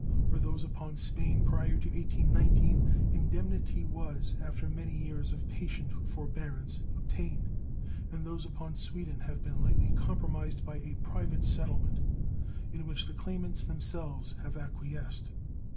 For those upon Spain prior to 1819 indemnity was, after many years of patient forbearance, obtained; and those upon Sweden have been lately compromised by a private settlement, in which the claimants themselves have acquiesced.